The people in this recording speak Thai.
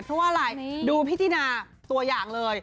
เพราะว่าอะไรดูพิจารณาตัวอย่างเลย